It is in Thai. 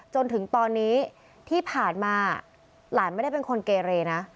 จนถึงตอนนี้ที่ผ่านมาหลานไม่ได้เป็นคนเกเรนะ